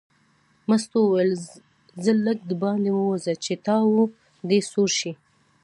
مستو وویل ځه لږ دباندې ووځه چې تاو دې سوړ شي.